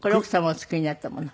お作りになったもの？